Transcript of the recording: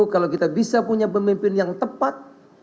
kalau kita bisa punya pemimpin yang tepat